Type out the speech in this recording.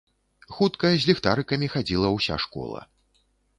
Хутка з ліхтарыкамі хадзіла ўся школа.